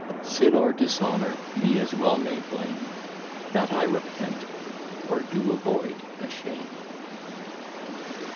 Sin or Dishonour, me as well may blame, That I repent, or do avoid a shame.